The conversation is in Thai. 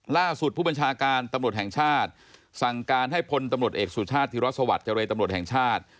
ล่าสุดผู้บัญชาการตำรวจแห่งชาติสั่งการให้พลตำรวจเอกสุชาติธิรสวัสดิเจรตำรวจแห่งชาติ